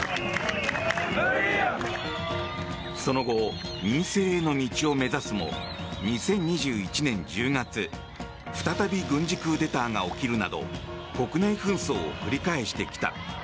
その後、民政への道を目指すも２０２１年１０月再び軍事クーデターが起きるなど国内紛争を繰り返してきた。